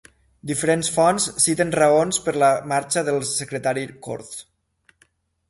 Diferents fonts citen raons per la marxa del secretari Korth.